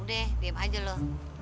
udah diem aja lu